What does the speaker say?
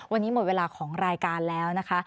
วันนี้หมดเวลาของรายการแล้วนะคะ